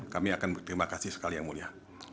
kami akan berterima kasih sekali yang mulia